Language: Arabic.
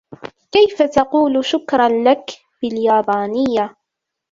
كيف تقول " شكراً لك " باليابانية ؟